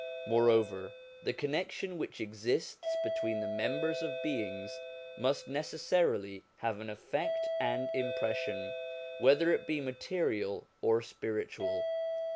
Moreover, the con nection which exists between the members of beings must necessarily have an effect and impression, whether it be material or spiritual.